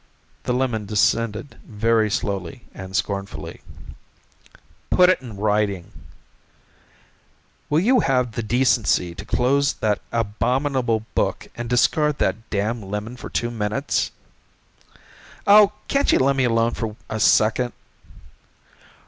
The lemon descended very slowly and scornfully. "Put it in writing." "Will you have the decency to close that abominable book and discard that damn lemon for two minutes?" "Oh, can't you lemme alone for a second?"